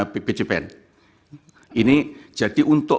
bpjpn ini jadi untuk